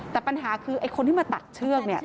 แต่ปัญหาคือไอ้คนที่มาตัดเชือก